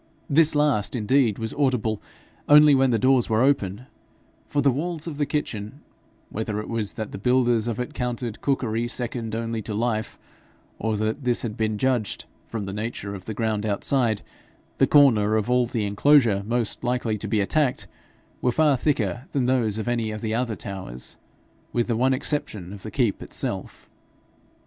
This last, indeed, was audible only when the doors were open, for the walls of the kitchen, whether it was that the builders of it counted cookery second only to life, or that this had been judged, from the nature of the ground outside, the corner of all the enclosure most likely to be attacked, were far thicker than those of any of the other towers, with the one exception of the keep itself.